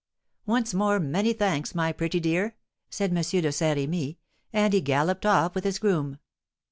"Once more, many thanks, my pretty dear," said M. de Saint Rémy; and he galloped off with his groom.